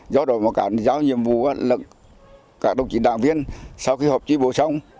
do đó cả giáo nhiệm vụ các đồng chí đảng viên sau khi họp trí bộ xong